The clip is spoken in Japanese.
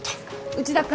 内田君。